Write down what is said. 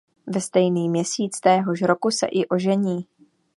Ve stejný měsíc téhož roku se i ožení.